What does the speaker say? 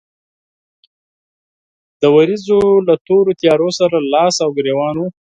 د ورېځو له تورو تيارو سره لاس او ګرېوان و.